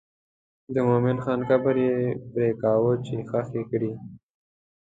د مومن خان قبر یې پرېکاوه چې ښخ یې کړي.